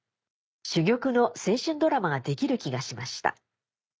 珠玉の青春ドラマができる気がしました」。